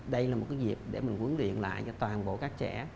đây là một cái dịp để mình huấn luyện lại cho toàn bộ các trẻ